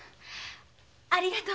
ありがとう。